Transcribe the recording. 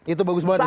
itu bagus banget